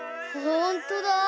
ほんとだ。